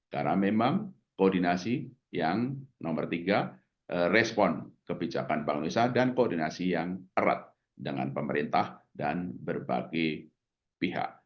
karena memang koordinasi yang nomor tiga respon kebijakan bangsa indonesia dan koordinasi yang erat dengan pemerintah dan berbagai pihak